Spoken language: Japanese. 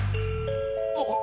あっ。